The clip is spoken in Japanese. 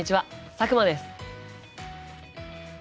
佐久間です。